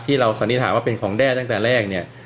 สันนิษฐานว่าเป็นของแด้ตั้งแต่แรกเนี่ย